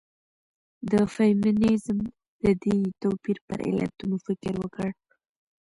فيمنيزم د دې توپير پر علتونو فکر وکړ.